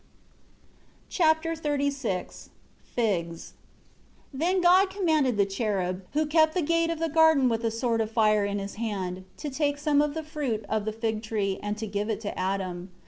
Chapter XXXVI Figs. 1 Then God commanded the cherub, who kept the gate of the garden with a sword of fire in his hand, to take some of the fruit of the fig tree, and to give it to Adam.